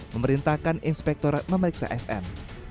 memerintahkan inspektorat memeriksa sm